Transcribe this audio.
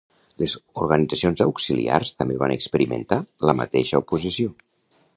Les organitzacions auxiliars també van experimentar la mateixa oposició.